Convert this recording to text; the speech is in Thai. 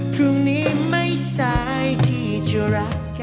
พรุ่งนี้ไม่สายที่จะรักกัน